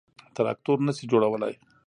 تراکتور نه شي جوړولای.